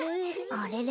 あれれ？